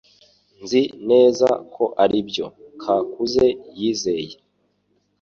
Nzi neza ko aribyo kakuze yizeye.